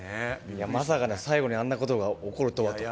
まさか最後にあんなことが起こるとは。